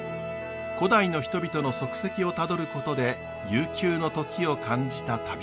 古代の人々の足跡をたどることで悠久の時を感じた旅でした。